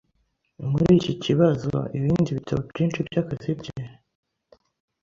muriki kibazoIbindi bitabo byinshi byakazi bye